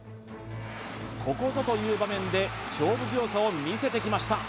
ここぞという場面で勝負強さを見せてきました